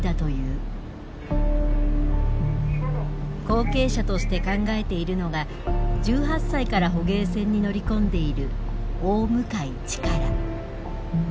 後継者として考えているのが１８歳から捕鯨船に乗り込んでいる大向力。